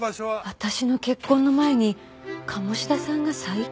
私の結婚の前に鴨志田さんが再婚？